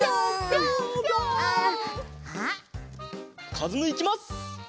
かずむいきます！